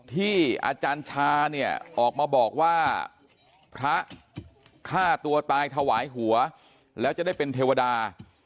ที่อาจารย์ชาเนี่ยออกมาบอกว่าพระฆ่าตัวตายถวายหัวแล้วจะได้เป็นเทวดา